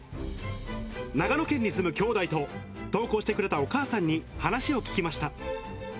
長野県に住むきょうだいと投稿してくれたお母さんに話を聞きました。